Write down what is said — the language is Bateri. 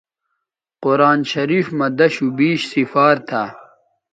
قرآن شریف مہ دشوبیش سفار تھا